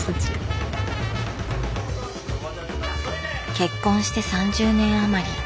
結婚して３０年余り。